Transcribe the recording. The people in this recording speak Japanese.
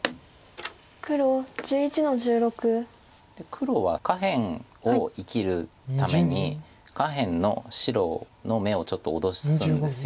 黒は下辺を生きるために下辺の白の眼をちょっと脅すんです。